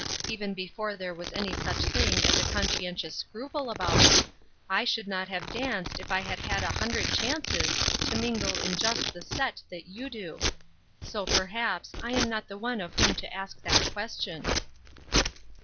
Even before there was any such thing as a conscientious scruple about it, I should not have danced if I had had a hundred chances to mingle in just the set that you do; so, perhaps, I am not the one of whom to ask that question."